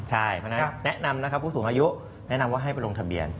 ใช่แนะนำนะครับผู้สูงอายุแนะนำว่าให้ไปลงทะเบียน